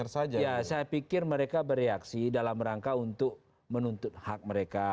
saya pikir mereka bereaksi dalam rangka untuk menuntut hak mereka